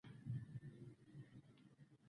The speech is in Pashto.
• بادام د بدن د دفاعي سیستم پیاوړی کوي.